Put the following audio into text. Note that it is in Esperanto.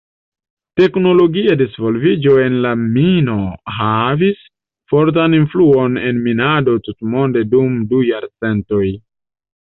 Teknologia disvolviĝo en la mino havis fortan influon en minado tutmonde dum du jarcentoj.